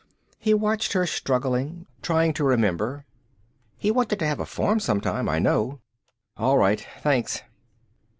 He watched her struggling, trying to remember. "He wanted to have a farm, sometime, I know." "All right. Thanks."